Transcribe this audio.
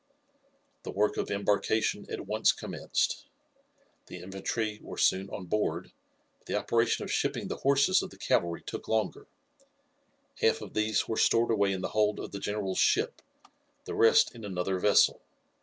The work of embarkation at once commenced. The infantry were soon on board, but the operation of shipping the horses of the cavalry took longer. Half of these were stored away in the hold of the general's ship, the rest in another vessel.